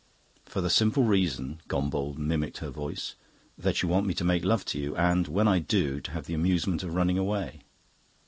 "For the simple reason" Gombauld mimicked her voice "that you want me to make love to you and, when I do, to have the amusement of running away."